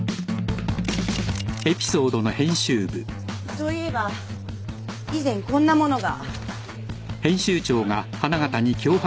そういえば以前こんなものが。